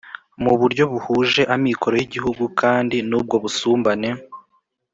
muburyo buhuje, amikoro y’igihugu kandi n’ubwo busumbane